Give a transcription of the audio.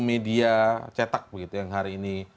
media cetak begitu yang hari ini